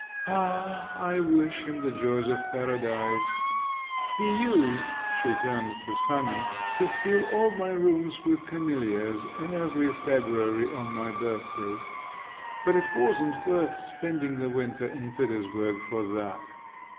"Ah! I wish him the joys of Paradise! He used," she turned to Sanin, "to fill all my rooms with camellias every February on my birthday. But it wasn't worth spending the winter in Petersburg for that.